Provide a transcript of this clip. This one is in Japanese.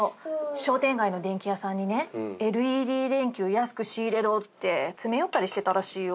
商店街の電器屋さんにねＬＥＤ電球安く仕入れろって詰め寄ったりしてたらしいよ。